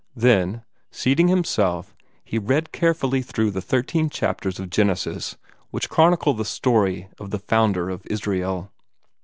Then, seating himself, he read carefully through the thirteen chapters of Genesis which chronicle the story of the founder of Israel.